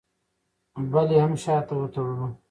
بل یې هم شاته وتړلو.